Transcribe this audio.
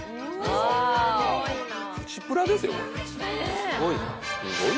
すごいな。